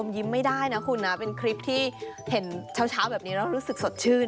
ยิ้มไม่ได้นะคุณนะเป็นคลิปที่เห็นเช้าแบบนี้แล้วรู้สึกสดชื่น